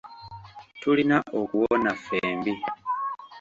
Tulina okuwona ffembi.